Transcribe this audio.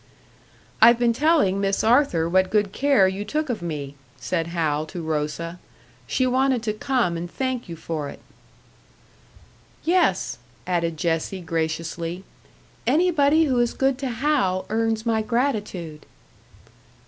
"I've been telling Miss Arthur what good care you took of me," said Hal to Rosa. "She wanted to come and thank you for it." "Yes," added Jessie, graciously. "Anybody who is good to Hal earns my gratitude."